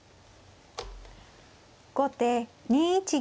後手２一玉。